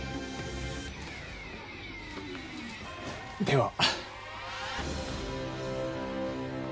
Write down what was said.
では。